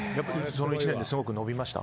その１年ですごく伸びました？